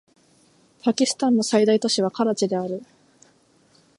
パキスタンの最大都市はカラチである